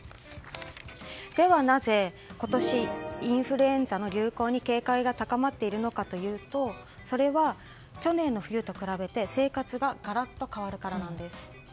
では、なぜ今年インフルエンザの流行に警戒が高まっているのかというとそれは去年の冬と比べて生活がガラッと変わるからなんです。